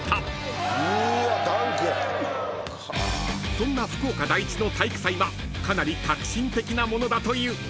［そんな福岡第一の体育祭はかなり革新的なものだという］